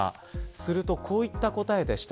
すると、こういった答えでした。